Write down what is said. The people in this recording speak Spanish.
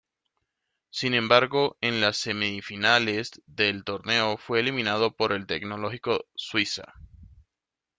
Sin embargo en las semifinales del torneo fue eliminado por el Tecnológico Suiza.